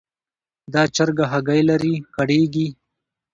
دا چرګه هګۍ لري؛ کړېږي.